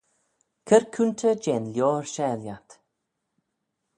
Cur coontey jeh'n lioar share lhiat.